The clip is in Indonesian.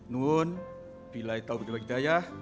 nuhun bilai taubu diwakidayah